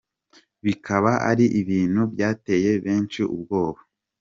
Bikaba ari ibintu byateye benshi ubwoba.